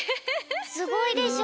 すごいでしょ？